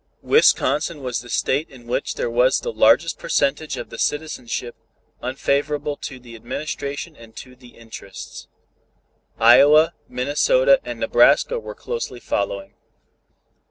Wisconsin was the state in which there was the largest percentage of the citizenship unfavorable to the administration and to the interests. Iowa, Minnesota and Nebraska were closely following.